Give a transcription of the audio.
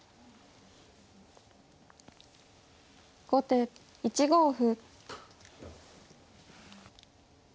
後手１五歩。